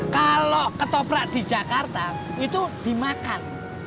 kalau ketoprak di jakarta itu dimakan